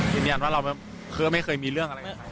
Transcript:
อย่างนี้อย่างว่าเราคือไม่เคยมีเรื่องอะไรขึ้น